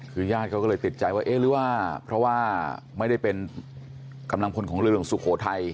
คือญาติเขาก็เลยติดใจว่าเอ๊ะหรือว่าเพราะว่าไม่ได้เป็นกำลังพลของเรือหลวงสุโขทัย